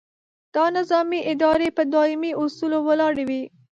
دا نظامي ادارې په دایمي اصولو ولاړې وي.